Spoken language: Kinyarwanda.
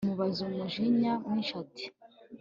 amubaza numujinya mwinshi ati